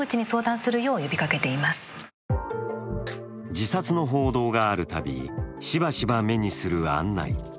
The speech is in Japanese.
自殺の報道があるたびしばしば目にする案内。